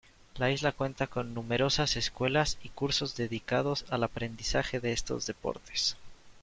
La isla cuenta con numerosas escuelas y cursos dedicados al aprendizaje de estos deportes.